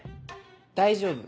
大丈夫。